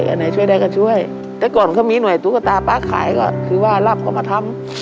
อันไหนช่วยได้ก็ช่วยแต่ก่อนก็มีหน่วยตุ๊กตาป๊าขายก็คือว่ารับเขามาทำ